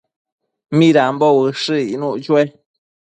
¿Midambo ushëc icnuc chue?